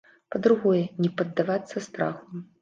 Па-другое, не паддавацца страху.